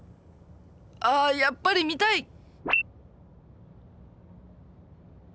ああやっぱり見たい！